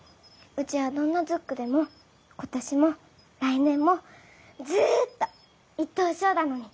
うちはどんなズックでも今年も来年もずっと１等賞だのに。